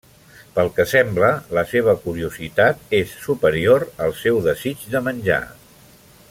Pel que sembla, la seva curiositat és superior al seu desig de menjar.